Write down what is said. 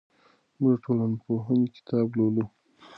موږ د ټولنپوهنې کتاب لولو.